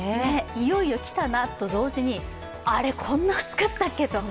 いよいよ来たなと同時にあれ、こんな暑かったっけと。